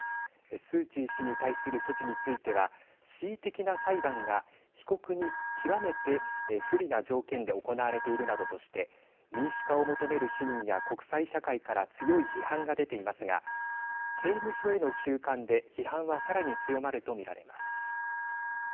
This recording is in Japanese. スー・チー氏に対する措置については恣意的な裁判が被告に極めて不利な条件で行われているなどとして民主化を求める市民や国際社会から強い批判が出ていますが刑務所への収監で批判はさらに強まると見られます。